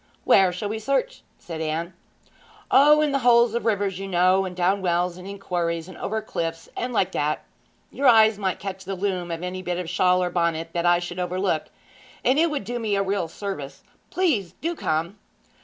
'Where shall we search?' said Anne. 'O, in the holes of rivers, you know, and down wells, and in quarries, and over cliffs, and like that. Your eyes might catch the loom of any bit of a shawl or bonnet that I should overlook, and it would do me a real service. Please do come!'